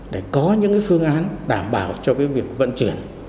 để có những phương án đảm bảo cho việc vận chuyển